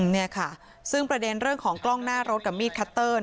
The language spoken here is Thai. นี่ค่ะซึ่งประเด็นเรื่องของกล้องหน้ารถกับมีดคัตเตอร์